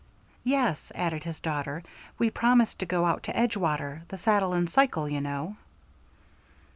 "Yes," added his daughter, "we promised to go out to Edgewater the Saddle and Cycle, you know."